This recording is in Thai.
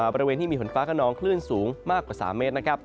บริเวณที่มีฝนฟ้ากระนองคลื่นสูงมากกว่า๓เมตร